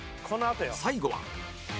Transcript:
最後は